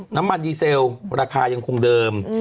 น้ำมันดีเซลราคายังคงเดิม